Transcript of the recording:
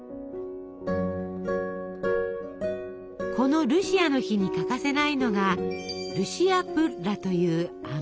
このルシアの日に欠かせないのが「ルシアプッラ」という甘いパン。